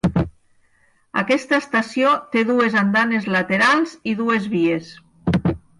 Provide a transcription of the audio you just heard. Aquesta estació té dues andanes laterals i dues vies.